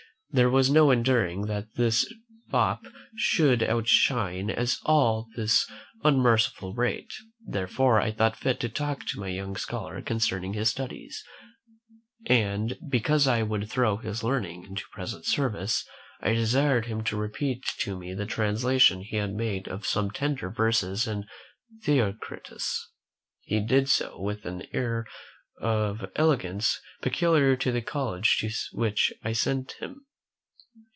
There was no enduring that this fop should outshine us all at this unmerciful rate; therefore I thought fit to talk to my young scholar concerning his studies; and, because I would throw his learning into present service, I desired him to repeat to me the translation he had made of some tender verses in Theocritus. He did so, with an air of elegance peculiar to the college to which I sent him.